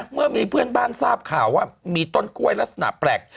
เมื่อมีเพื่อนบ้านทราบข่าวว่ามีต้นกล้วยลักษณะแปลก